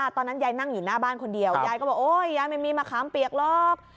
ตอนนั้นยายนั่งอยู่หน้าบ้านคนเดียวยายก็บอกโอ๊ยยายไม่มีมะขามเปียกหรอก